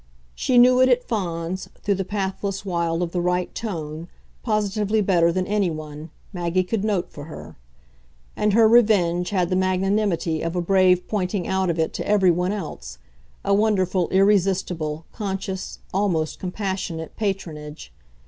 She knew it at Fawns, through the pathless wild of the right tone, positively better than any one, Maggie could note for her; and her revenge had the magnanimity of a brave pointing out of it to every one else, a wonderful irresistible, conscious, almost compassionate patronage.